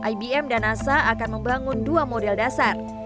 ibm dan asa akan membangun dua model dasar